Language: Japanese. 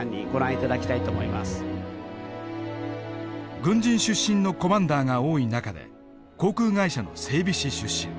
軍人出身のコマンダーが多い中で航空会社の整備士出身。